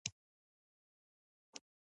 دا د شینجیانګ د جګو غرونو په نوم رستورانت و.